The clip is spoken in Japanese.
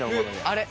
あれ。